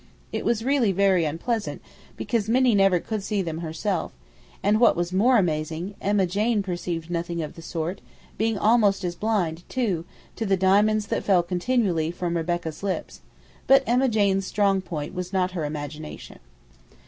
It was really very unpleasant, because Minnie could never see them herself; and what was more amazing, Emma Jane perceived nothing of the sort, being almost as blind, too, to the diamonds that fell continually from Rebecca's lips; but Emma Jane's strong point was not her imagination.